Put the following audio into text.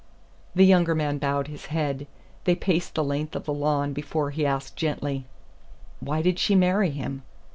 The younger man bowed his head. They paced the length of the lawn before he asked gently: "Why did she marry him?"